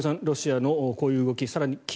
ロシアのこういう動き更に